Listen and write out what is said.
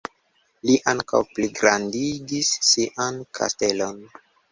Li ankaŭ pligrandigis sian kastelon.